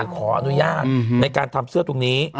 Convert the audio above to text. ขออนุญาตในการทำเสื้อตรงนี้